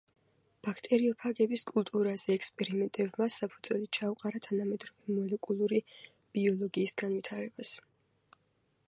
ბაქტერიოფაგების კულტურებზე ექსპერიმენტებმა საფუძველი ჩაუყარა თანამედროვე მოლეკულური ბიოლოგიის განვითარებას.